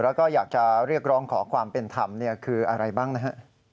แล้วก็อยากจะเรียกร้องขอความเป็นธรรมคืออะไรบ้างนะฮะ